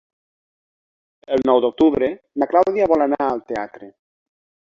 El nou d'octubre na Clàudia vol anar al teatre.